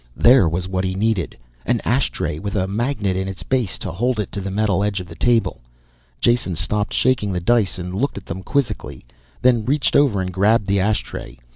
There was what he needed. An ashtray with a magnet in its base to hold it to the metal edge of the table. Jason stopped shaking the dice and looked at them quizzically, then reached over and grabbed the ashtray.